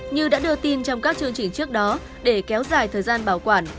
như đã đưa tin trong các chương trình trước đó để kéo dài thời gian bảo quản